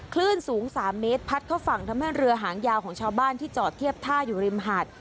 คลื่นสูง๓เมตรพัดเข้าฝั่งทำให้เรือหางยาวของชาวบ้านที่จอดเทียบท่าอยู่ริมหาด